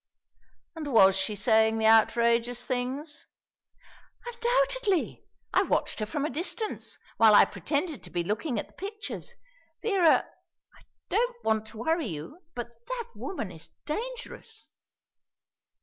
"And was she saying the outrageous things?" "Undoubtedly. I watched her from a distance, while I pretended to be looking at the pictures. Vera, I don't want to worry you, but that woman is dangerous!"